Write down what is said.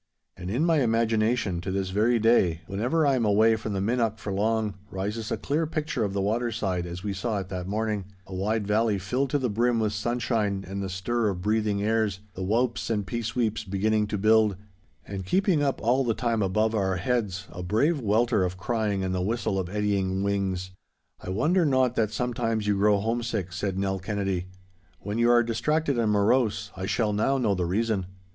And in my imagination to this very day, whenever I am away from the Minnoch for long, rises a clear picture of the water side as we saw it that morning—a wide valley filled to the brim with sunshine and the stir of breathing airs, the whaups and peesweeps beginning to build, and keeping up all the time above our heads a brave welter of crying and the whistle of eddying wings. 'I wonder not that sometimes you grow homesick,' said Nell Kennedy. 'When you are distracted and morose, I shall now know the reason.